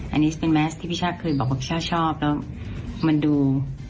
อันนี้เป็นแมสที่พี่ช่าเคยบอกว่าพี่ช่าชอบแล้วมันดู